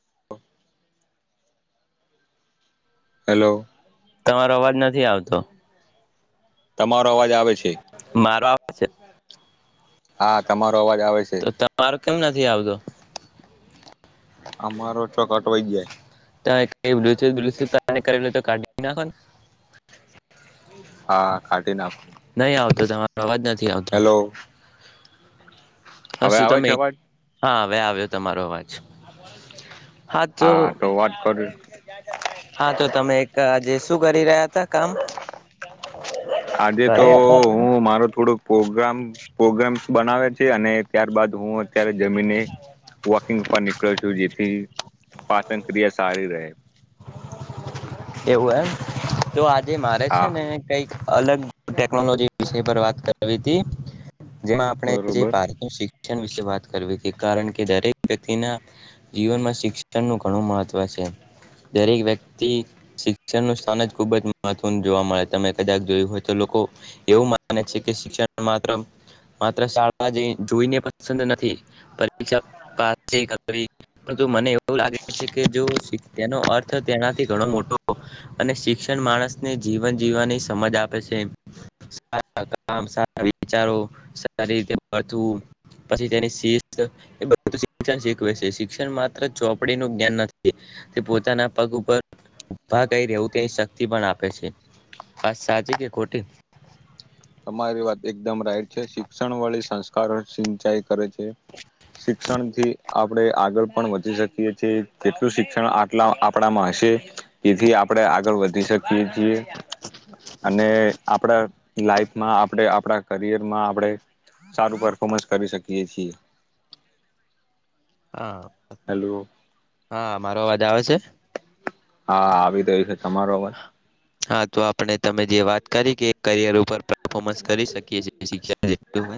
[inaudible] Hello તમારો અવાજ નથી આવતો. તમારો અવાજ આવે છે. મારો આવે છે. હા તમારો અવાજ આવે છે તો તમારો કેમ નથી આવતો? અમારો ચોક અંટવાય જાય. તો એ બ્લુટુથ વ્લુટુથ કનેક્ટ કરેલું હોય તો કાઢી નાખોન. હા કાઢી નાખું નહીં આવતો તમારો અવાજ નથી આવતો. હેલો હ હવે શું આવે તમે, છે અવાજ હા હવે આવ્યો તમારો અવાજ. હા તો વાત કરી. હા, તો તમે એક આજે શું કરી રહ્યા હતા કામ? આજે તો ઘરે હતા તમે હું મારો થોડુંક પોગ્રામ પોગ્રામ્સ બનાવે છે અને ત્યારબાદ હું ત્યારે જમીને વોકિંગ પર નીકળો છું જેથી પાચન ક્રિયા સારી રહે. એવું એમ. તો આજે મારે છે હા ને કંઈક અલગ ટેકનોલોજી વિષય પર વાત કરવી તી. જેમાં આપણે જે બરોબર ભારત નું શિક શક્ષણ વિશે વાત કરવી તી કારણ કે દરેક વ્યક્તિના જીવનમાં શિક્ષણનું ઘણું મહત્વ છ છે. દરેક વ્યક્તિ શિક્ષણ નું સ્થાન જ ખુબ જ મહત્વનું જોવા મળે, તમે કદાચ જોયું હોય તો લોકો એવું માને છે કે શિક્ષણ માત્ર માત્ર શાળા જોઈ જોઈને પસંદ નથી, પરીક્ષા [unintelligible] પરંતુ મને એવું એવું લાગે છે કે જો શિક્ષ તેનો અર્થ તેનાથી ઘણો મોટ ટો અને શિક્ષણ માણસને જીવન જીવવાની સમજ આપે છે. સારા કામ સારા વિચારો, સારી રીતે બધું પછી તેની શિસ્ત એ બધું શિક્ષણ શીખવે છે. શિક્ષણ માત્ર ચોપડી નું જ્ઞાન નથી. તે પોતાના પગ ઉપર ઊભા કઈ રહેવું તે શક્તિ પણ આપે છે. વાત સાચી કે ખોટી? તમારી વાત એકદમ રાઈટ છે. શિક્ષણ વાળી સંસ્કારો સિંચાઈ કરે છે. શિક્ષણથી આપણે આગળ પણ વધી શકીએ છીએ, કેટલું શિક્ષણ આટલા આપણામાં છે, તેથી આપણે આગળ વધી શકીએ છીએ. અને આપડા લાઈફમાં આપણે આપણા કરિયરમાં આપણે સારું પરફોમન્સ કરી શકીએ છીએ. હા, હેલો હા. મારો અવાજ આવે છે? હા આવી તો [unintelligible] તમારો અવાજ. હા તો આપણે તમે જે વાત કરી કે કરિયર ઉપર પણ પરફોર્મન્સ કરી શકીએ છીએ [unintelligible]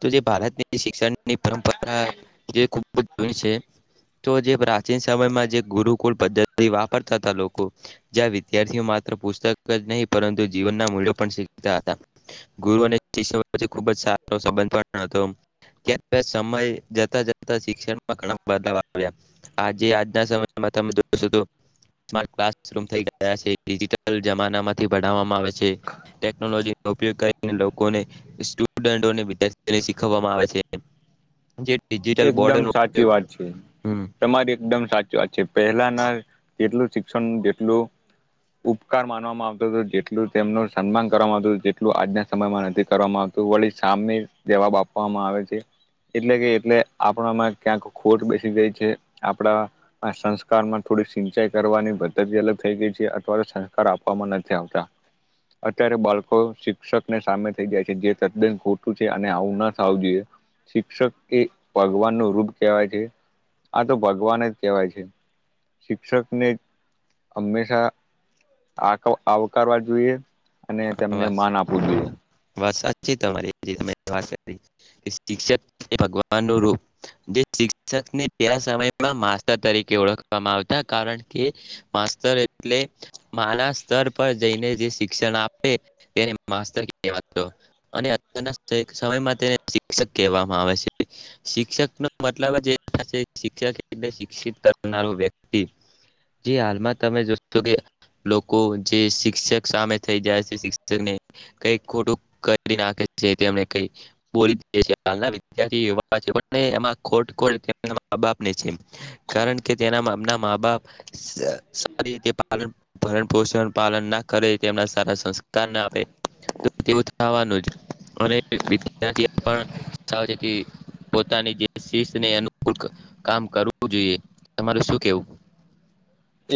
તો જે ભારતની શિક્ષણ ની પરંપરા જે ખૂબ જ જુની છે તો જે પ્રાચીન સમયમાં જે ગુરુકુલ પદ્ધતિ વાપરતા હતા લોકો, જ્યાં વિદ્યાર્થીઓ મા ત્ર પુસ્તક જ નહીં પરંતુ જીવનના મૂલ્યો પણ શીખતા હતા. ગુરુ અને શિષ્ય વચ્ચે ખુબ જ સારો સંબંધ પણ હતો. જ્યારે સમય જતા-જતા શિક્ષણમાં ઘણા બદલા આવ્યા. આજે આજના સમયમાં તમે જોશો તો સ્માર્ટ ક્લાસરૂમ થઈ ગયા છે ડિજિટલ જમાનામાંથી ભણાવવામાં આવે છે. ટેકનોલોજી નો ઉપયોગ કરીને લોકોને, સ્ટુડન્ટોને વિદ્યાર્થીઓને શીખવવામાં આવે છે. જે ડિજિટલ એકદમ બોર્ડનો સાચી ઉપયોગ વાત છે. હમ તમારી એકદમ સાચી વાત છે. પહેલાના જેટલું શિક્ષણ જેટલું ઉપકાર માનવામાં આવતો હતો, જેટલું તેમનું સન્માન કરવામાં આવતું તું, તેટલું આજના સમયમાં નથી કરવામાં આવતું. વળી સામે જવાબ આપવામાં આવે છે. એટલે કે એટલે આપણામાં ક્યાંક ખોટ બેસી ગઈ છે, આપણામાં સંસ્કારમાં થોડી સિંચાઈ કરવાની પદ્ધતિ અલગ થઈ ગઈ છે, અથવા તો સંસ્કાર આપવામાં નથી આવતા. અત્યારે બાળકો શિક્ષકને સામે થઈ જાય છે જે તદ્દન ખોટું છે અને આવું ના થું જોઈએ શિક્ષક એ ભગવાન નું રૂપ કહેવાય છે આ તો ભગવાન જ કહેવાય છે શિક્ષકને હંમેશા આવકારવા જોઈએ અને તેમને માન આપવું જોઈએ. જે તમારી [unintelligible] વા કરી શિક્ષક એ ભગવાન નું રૂપ જે શિક્ષ શિક્ષકને સતમયમાં માસ્ટર તરીકે ઓળખવામાં આવતા કારણ કે માસ્ટર એટલે માના સ્તર પર જઈને જે શિક્ષણ આપ અને માસ્ટર કહેવાતું અને અત્યારના સમયમાં તેને શિક્ષક કહેવાય આવે શિક્ષક ન મતલબ જ શિક્ષક એ શિક્ષિત કરનારું વ્યક્તિ જે હાલમાં તમે જોશો કે લોકો જે શિક્ષક સામે થ જાય છે શિક્ષને કઈ ખોટું કરી નાખે છેને કઈ બોલી છે આજના વિદ્યાર્થી એવા છે જેમાં ખોટ કોની છે માં બાપની છે કારણ કે તે ના મા બાપને એમના મા બાપ સારી રીતે ભરણ પોષણ પાલન ના કરે તેમના સંસ્કાર ના આપે તેવું થવાનું જ અને વિદ્યાર્થી પણ છે પોતાની શને અનુકૂલાકામ કરવું જોઈએ તમારે શું કેવું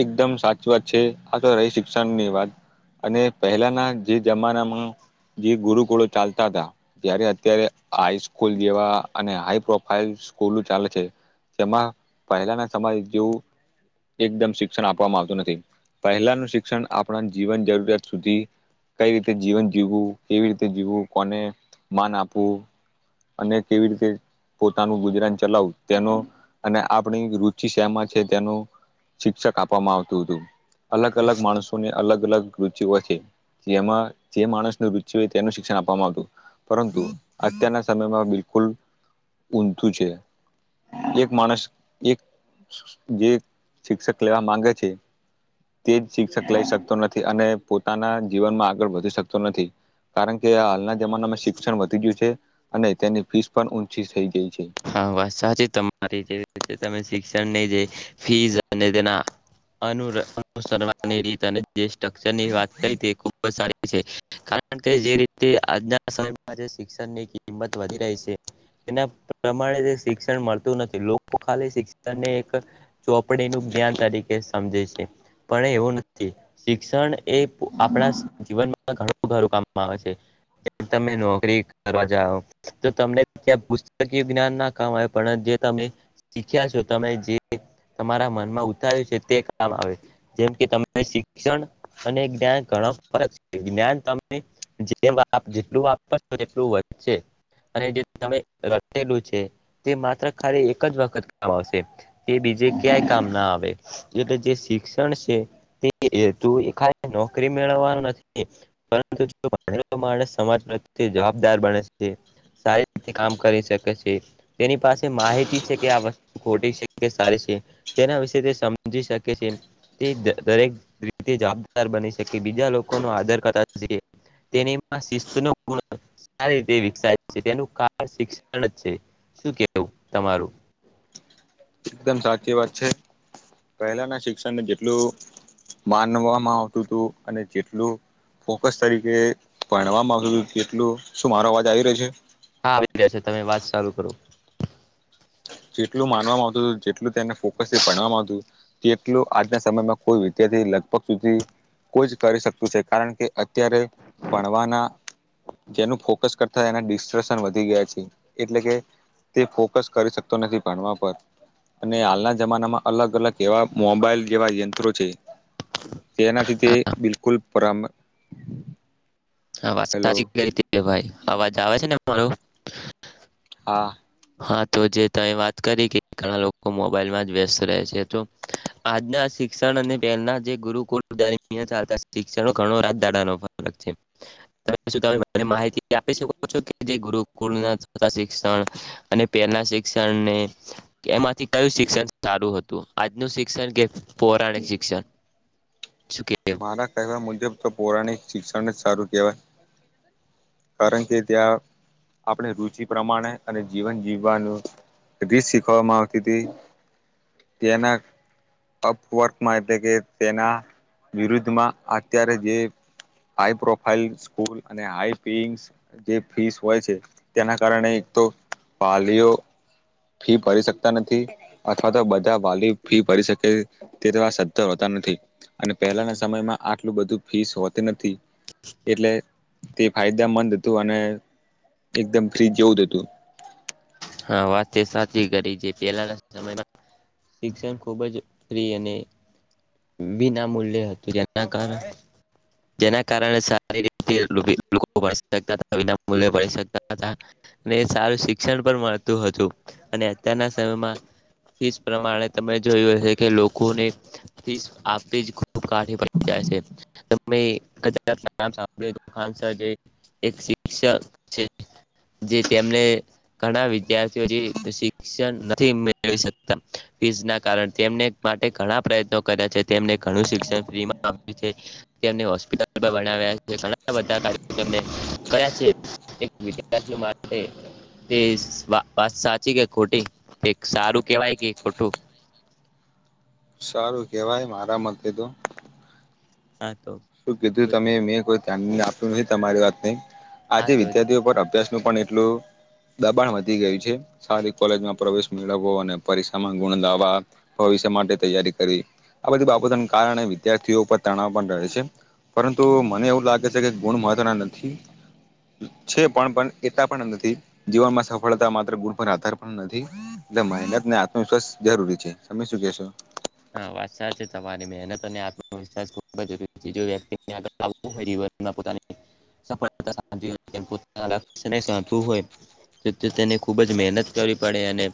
એકદમ સાચી વાત છે આ તો રહી શિક્ષણ ની વાત અને પહેલાના જે જમાનામાં જે ગુરુકુળો ચાલતા હતા જ્યારે અત્યારે હાઈસ્કૂલ જેવા અને હાઈ પ્રોફાઈલ સ્કૂલ ચાલે છે જેમાં પહેલાના સમયે જેવું એકદમ શિક્ષણ આપવામાં આવતું નથી પહેલાનું શિક્ષણ આપણા જીવન જરૂરિયાત સુધી કઈ રીતે જીવન જીવું કેવી રીતે જીવવું કોને માન આપવું અને કેવી રીતે પોતાનું ગુજરાન ચલાવું તેનો અને આપણી રુચિ શેમાં છે તેનું શિક્ષક આપવામાં આવતું હતું અલગ અલગ માણસોને અલગ અલગ કુતઓ છેે જેમાં જે માણસનું રુચિ હોય તેનું શિક્ષણ આપવામાં આવતું પરંતુ અત્યારના સમયમાં બિલકુલ ઊંધું છે એક માણસ એક જે શિક્ષક લેવા માંગે છે તે જ શિક્ષક લઈ શકતો નથી અને પોતાના જીવનમાં આગળ વધી શકતો નથી કારણ કે હાલના જમાનામાં શિક્ષણ વધી ગયું છે અને તેની ફીસ પણ ઊંચી થઈ ગઈ છે હા વાત સાચી તમારી જેવી રીતે તમે શીખ શિક્ જે ફી અને તેનાસવાની રીત અને જે સ્ટ્રક્ચર ની વાત કરી તે ખુબ જ સારી કારણ કે જે રીતે આજના સમયમાં જે શિક્ષણની કિંમત વધી રહી છે તેના પ્રમાણે શિક્ષણ મળતું નથી લોકો ખાલી શિક્ષણને એક ચોપડી નું જ્ઞાન તરીકે સમજે છે પણ એવું નથી શિક્ષણ એ આપણા જીવનમાં ઘણું ઘારું કામમાં આવે છે તમે નોકરી કરવા જાઓ તો તમને ત્યાં પ કી જ્ઞાન ના કામ આવે પણ જે તમે શીખ્યા છો તમે જે તમારા મનમાં ઉતાર્યું છે તે કામ આવે જેમ કે તમે શિક્ષણ અને જ્ઞાન ગણ ાન ત જે જેટલુંો એટલું વધશે અરે જે તમે રેલું છે તે માત્ર ખરે એક જ વખત કામ આવશે તે બીજે ક્યાય કામ ના આવે એટલે જે શિક્ષણ છે તેું એા નોકરી મેળવવાનું નથી ુ માણસ સમાજ પ્રતે જવાબદાર બને છે સારી કામ કરી શકે છે તેની પાસે માહિતી છે કે આ વસ્તુ ખોટી છે કે સારી છે એના વિશે તે સમજી શકે છે એ તે દરેક રીતે જવાબદાર બની શકે બીજા લોકો ન આધાર કરતા તેની શિસ્ુ ન ગુણ સારી રીતે વિકસાય છે તેનું આ શિક્ષણ જ છે શું કેવું તમારું એકદમ સાચી વાત છે. પહેલાના શિક્ષણને જેટલું માનવામાં આવતું તું અને જેટલું ફોકસ તરીકે ભણવામાં આવતું તું જેટલું શું મારો અવાજ આવી રહ્યો છે? હા આવી ગયા છે. તમે વાત સાલુ કરો. જેટલું માનવામાં આવતું તું જેટલું તેને ફોકસથી ભણવામાં આવતું તેટલું આજના સમયમાં કોઈ વિદ્યાર્થી લગભગ સુધી કોઈ જ કરી શકતું છે. કારણ કે અત્યારે ભણવાના જેનું ફોકસ કરતાં એના ડિસ્ટ્રેસન વધી ગયા છે. એટલે કે તે ફોકસ કરી શક તો નથી ભણવા પર અને હાલના જમાનામાં અલગ અલગ એવા મોબાઈલ જેવા યંત્રો છે. તેનાથી તે હા બિલકુલ પરમ આ વાત હેલો સાચી કરી તમે ભાઈ. અવાજ આવે છે ને મારો? હા હહ તો જે તમે વાત કરી કે ઘણા લોકો મોબાઈલમાં જ વ્યસ્ત રહે છે. તો આજના શિક્ષણ અને પહેલના જે ગુરુકુળ [inaudible] હતા શિક્ષણ ઘણો રાજદાણાનો ફરક છે. તમે કશું તમે મને માહિતી આપી શકો છો કે જે ગુરુકુલના શિક્ષણ અને પહેલના શિક્ષણને એમાંથી કયું શિક્ષણ સારું હતું આજનું શિક્ષણ કે પૌરાણિક શિક્ષણ? શું કે મારા કહેવા મુજબ તો પૌરાણિક શિક્ષણને જ સારું કેવાય. કારણ કે ત્યાં આપણે રુચિ પ્રમાણે અને જીવન જીવવાનું રીત શીખવામાં આવતી તી. તેના અપવર્કમાં એટલે કે તેના વિરુદ્ધમાં અત્યારે જે હાઈ પ્રોફાઈલ સ્કૂલ અને હાઈ પિંગસ જે ફીસ હોય છે તેના કારણે એક તો વાલીઓ ફી ભરી શકતા નથી અથવા તો બધા વાલી ફી ભરી શકે તે તેવા સધર હોતા નથ નથી. અને પહેલાના સમયમાં આટલું બધું ફીસ હોતે નથી. એટલે તે ફાયદામંદ હતું અને એકદમ ફ્રીજ જેવું જ હતું. હા વાતે સાચી કરી જે પેલાના સમયમાં શિક્ષણ ખૂબ જ ફ્રી અને વિના મૂલ્યે હતું જેના કારણે જેના કારણે સારી રીતથી [inaudible] વિના મૂલ્યે ભણી શકતા તા. વે સારું શિક્ષણ પણ મળતું હતું અને અત્યારના સમયમાં ફિશ પ્રમાણે તમે જોયું હશે કે લોકોને ફીસ આપવી જ ખૂબ કાઠી પડી જાય છે. તમે કદાચ નામ સાંભળ્યું હોય તો હાલ જે એક શિક્ષક છે જે તેમને ઘણા વિદ્યાર્થીઓ જે શિક્ષણ નથી મેળવી શકતા ફીઝ ના કારન તેમને માટે ઘણા પ્રયત્નો કદાચ અ તેમને ઘણું શિક્ષણ ફ્રીમાં આપ્યું છે તેમને હોસ્પિટલ પણ બનાવ્યા છે ને ઘણા બધાં [inaudible] કર્યા છે એક વિદ્યાર્થીઓ માટે તે વા વાત સાચી કે ખોટી કંઈક સારું કેવાય કે ઈ ખોટું? સારું કેવાય મારા મતે તો હા તો શું કીધું તમે મેં કોઈ ધ્યાન ની આપ્યું મેં તમારી વાતને હા આજે તો વિદ્યાર્થીઓ પર અભ્યાસ નું પણ એટલું દબાણ વધી ગયું છે. સારી કોલેજમાં પ્રવેશ મેળવવો અને પરીક્ષામાં ગુણ લાવા [inaudible] પરીક્ષા માટે તૈયારી કરી. આ બધી બાબતોનું કારણ એ વિદ્યાર્થીઓ પર તણાવ પણ રહે છે. પરંતુ મને એવું લાગે છે કે ગુણ મહત્વના નથી. છે. પણ પણ એતા પણ નથી જીવનમાં સફળતા માત્ર ગુણ પર આધાર પણ નથી. એટલે મહેનતને આત્મવિશ્વાસ જરૂરી છે તમે શું કેશો? હા વાત સાત છે તમારી મનતને આત્મવિશ્વાસ ખબ જરીક્તિ આળ હોય. તો તો તેને ખુબ જ મહેનત કરવી પડે અને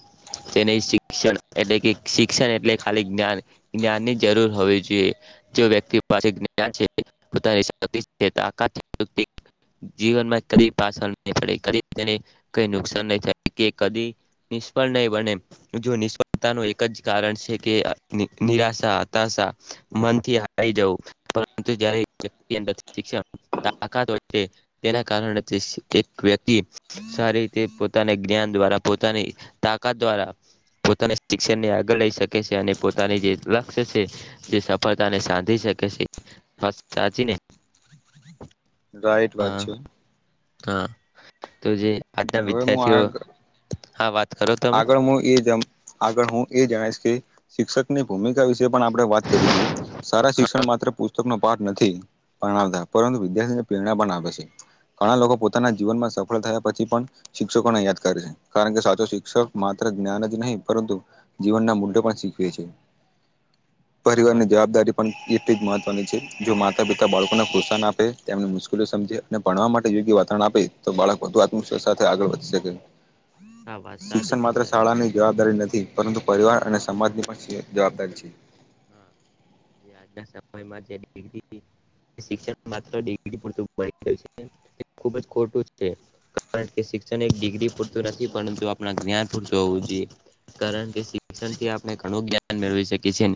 તેને શિક્ષણ એટલે કે શિક્ષણ એટલે ખા જાન જ્ઞાન ની જરૂર હોવી જોઈએ જો વ્યક્તિ પાસે જ્ છે પો [unintelligible] જીવનમાં કદી પાછળ નહી પડે તેને કઈ નુકસાન નહી થ કે કદી નિષ્ફળ નહીં બને જો નિષ્ફળતા ન એક જ કારણ છે કે નિરાશા હતાશા મનથી હ જવું પરંતુ જયારે શિક્ષ તાકાત છે તેના કારણે એક વ્યક્તિ સારી રીતે પોતાના જ્ઞાન દ્વારા પોતાની તાકાત દ્વારા પોતાના શિક્ષણને આગળ લઈ શકે. અને પોતાની જે લક્ષ્ય છે તે સફળતાને સાંધી શકે છે સાચીને રાઈટ વાત હા છે. હા તો જે આજના હવે હું વિદ્યાર્થીઓ આ હા વાત કરો તમે. આગળ હું એ જમ આગળ હું એ જણાયીસ કે શિક્ષકની ભૂમિકા વિશે પણ આપણે વાત કરવી જોઈએ. સારા શિક્ષણ માત્ર પુસ્તક નો પાઠ નથી. પણાવતા પરંતુ વિદ્યાર્થીને પ્રેરણા પણ આપે છે. ઘણા લોકો પોતાના જીવનમાં સફળ થયા પછી પણ શિક્ષકોને યાદ કરે છે. કારણ કે સાચો શી શિક્ષક માત્ર જ્ઞાન જ નહીં પરંતુ જીવનના મુૂદે પણ શીખવે છે. આ પરિવાર વાત ની જવાબદારી પણ [unintelligible] મહત્વની છે. જો માતા પિતા બાળકોને પ્રોત્સાહન આપે તેમને મુશ્કેલી સમજે અને ભણવા માટે યોગ્ય વાતાવરણ આપે તો બાળક વધુ આત્મવિશ્વાસ સાથે આગળ વધી શકે. આ વાત સાચી શિક્ષણ માત્ર તમારે શાળાની જવાબદારી નથી, પરંતુ પરિવાર અને સમાજની પણ જવાબદારી છે. હા જે આજના સમયમાં જે ડિગ્રી શિક્ષણ માત્ર ડિગ્રી પૂરતું મળ ગયું છે. ખૂબ જ ખોટું છે. કારણ કે શિક્ષણ એક ડિગ્રી પૂરતું નથી, પરંતુ આપણા જ્ઞાન પૂરતું હોવું જોઈએ. કારણ કે શિક્ષણ કે આપણે ઘણું જ્ઞાન મેળવી છીએ.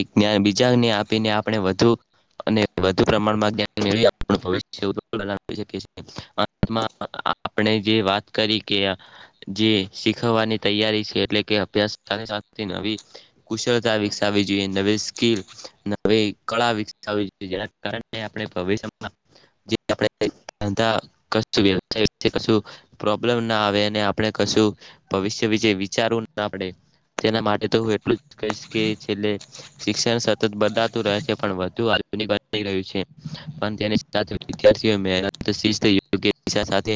એક ન્યાય બીજાને આપીને આપણે વધુ અને વધુ પ્રમાણમાં મેળવી ભવિષ્ય શ [unintelligible] આપણે જે વાત કરી કે જે શીખવાની તૈયારી છે એટલે કે અભ્યાસ સાથે નવી કુશળતા વિકશા વી જોઈએ. નવી સ્કીલ નવી કળા વિકસવી જોઈએ. જેના કારણે આપણે ભવિષ્યમાં જે [inaudible] [unintelligible] કશું વ્યવસાય વિશે કશું પ્રોબ્લેમ ના આવે અને આપણે કશું ભવિષ્ય વિશે વિચારવું ના પડે. તેના માટે તો હું એટલું જ કહીશ કે એટલે શિક્ષણ સતત બદલાતું રહે છે. પણ વધુ [unintelligible] રહ્યું છે પણ તેને વિદ્યાર્થી [unintelligible] સાથે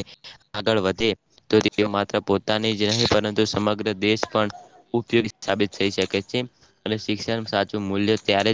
આગળ વધે તો તેઓ માત્ર પોતાની જ નહી પરંતુ સમગ્ર દેશ પણ ઉપયોગી સાબિત થઈ શકે છે. અને શિક્ષણ સાચું મૂલ્ય ત્યારે જ